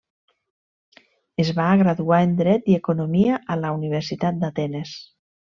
Es va graduar en dret i economia a la Universitat d'Atenes.